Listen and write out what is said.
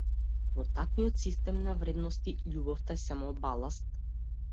Во таквиот систем на вредности љубовта е само баласт.